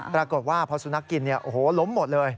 ปรากฏว่าพอสุนัขกินโอ้โหล้มหมดเลย